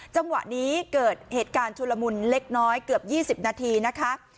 จังหวะนี้เกิดเหตุการณ์ชุลมุนเล็กน้อยเกือบ๒๐นาทีนะคะ